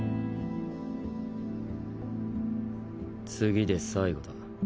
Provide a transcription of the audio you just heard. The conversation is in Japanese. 次で最後だ。